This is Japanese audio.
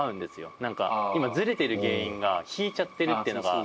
なんか、今、ずれてる原因が引いちゃってるっていうのが。